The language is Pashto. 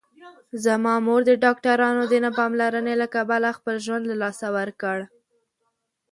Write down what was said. زما مور د ډاکټرانو د نه پاملرنې له کبله خپل ژوند له لاسه ورکړ